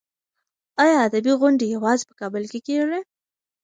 ایا ادبي غونډې یوازې په کابل کې کېږي؟